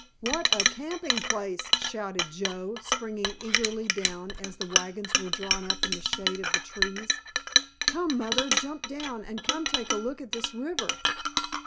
"What a camping place!" shouted Joe, springing eagerly down as the wagons were drawn up in the shade of the trees. "Come, Mother, jump down and come take a look at this river!